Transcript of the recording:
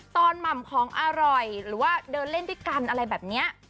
หม่ำของอร่อยหรือว่าเดินเล่นด้วยกันอะไรแบบนี้